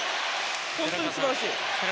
本当に素晴らしい。